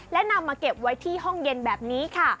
และนำมาเก็บไว้ที่ห้องเย็นแบบนี้ค่ะ